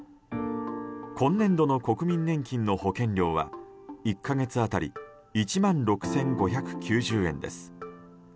今年度の国民年金の保険料は１か月当たり１万６５９０円です。